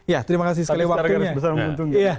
ya terima kasih sekali waktunya